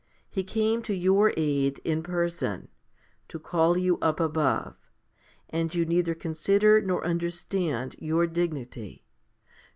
He came to your aid in person, to call you up above ; and you neither consider nor understand your dignity.